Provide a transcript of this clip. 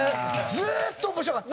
ずーっと面白かった。